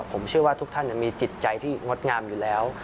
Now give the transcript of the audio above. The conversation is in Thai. ผมเชื่อว่าทุกท่านมีจิตใจที่งดงามอยู่แล้ว